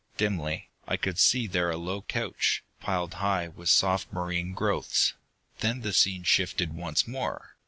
Dimly, I could see there a low couch, piled high with soft marine growths. Then the scene shifted once more.